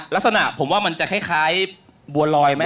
ลักษณะผมว่ามันจะคล้ายบัวลอยไหม